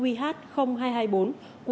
của hãng hàng không